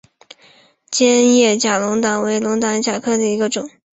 尖叶假龙胆为龙胆科假龙胆属下的一个种。